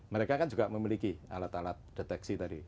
mereka kan juga memiliki alat alat deteksi tadi